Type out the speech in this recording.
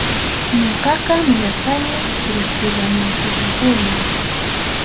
Ñuqaqa munarqani riqsiwanankutapuni.